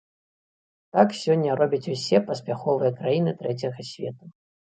Так сёння робяць усе паспяховыя краіны трэцяга свету.